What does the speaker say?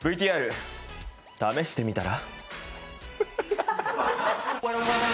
ＶＴＲ、試してみたら？